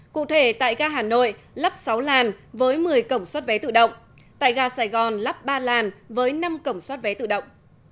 cụ thể tại ga hà nội lắp sáu làn với một mươi cổng xuất vé tự động tại ga sài gòn lắp ba làn với năm cổng soát vé tự động